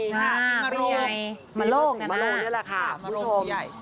ค่ะปีงมาโลกมาโลกนี่แหละค่ะคุณผู้ชมปีงมาโลกนี่แหละค่ะ